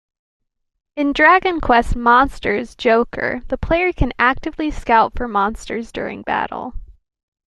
In "Dragon Quest Monsters: Joker", the player can actively scout for monsters during battle.